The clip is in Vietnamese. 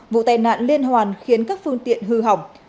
vụ tai nạn liên hoàn khiến các phương tiện hư hỏng